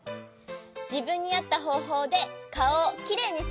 じぶんにあったほうほうでかおをきれいにしようね。